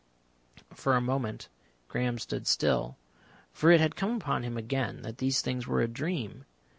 For a moment Graham stood still, for it had come upon him again that these things were a dream.